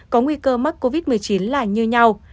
có nguy cơ mắc covid một mươi chín là như nhau